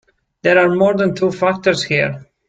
There are more than two factors here.